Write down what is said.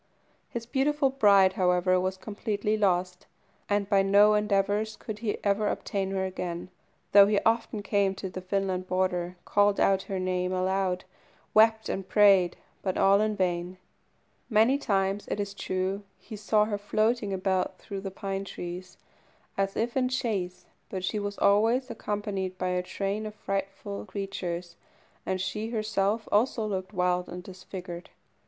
His beautiful bride, however, was completely lost; and by no endeavours could he ever obtain her again, though he often came to the Finland border, called out her name aloud, wept and prayed, but all in vain. Many times, it is true, he saw her floating about through the pine trees, as if in chase, but she was always accompanied by a train of frightful creatures, and she herself also looked wild and disfigured.